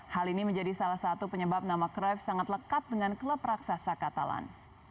hal ini menjadi salah satu penyebab nama craft sangat lekat dengan klub raksasa katalan